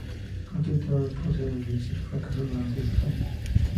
Otro intento de producir el elixir fracasó durante esos años.